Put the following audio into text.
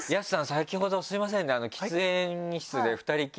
先ほどすいませんね。